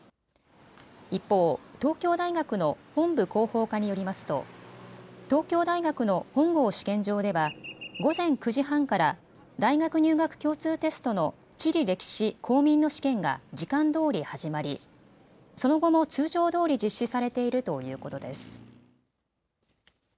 一方、東京大学の本部広報課によりますと東京大学の本郷試験場では午前９時半から大学入学共通テストの地理歴史、公民の試験が時間どおり始まりその後も通常どおり実施されているということです。